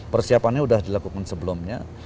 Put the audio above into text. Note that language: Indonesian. persiapannya udah dilakukan sebelumnya